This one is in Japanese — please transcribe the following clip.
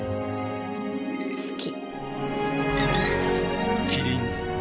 好き。